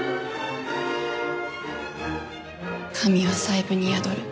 「神は細部に宿る」。